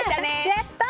やったー！